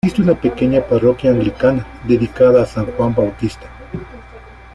Existe una pequeña parroquia anglicana, dedicada a San Juan Bautista.